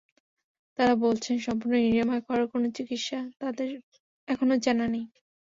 তাঁরা বলছেন, সম্পূর্ণ নিরাময় করার কোনো চিকিৎসা তাঁদের এখনো জানা নেই।